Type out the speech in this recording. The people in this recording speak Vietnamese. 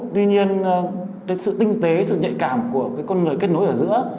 tuy nhiên cái sự tinh tế sự nhạy cảm của con người kết nối ở giữa